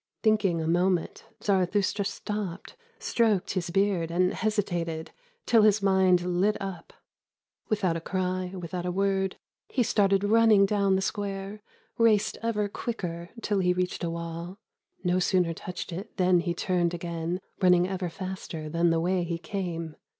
Thinking a moment, Zarathustra stopped, Stroked his beard, and hesitated Till his mind lit up ; 63 " Laughing Lions Will Come.'^ Without a cry, without a word He started running down the square, Raced ever quicker till he reached a wall ; No sooner touched it Than he turned again Running ever faster than the way he came.